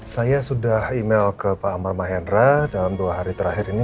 saya sudah email ke pak amar mahendra dalam dua hari terakhir ini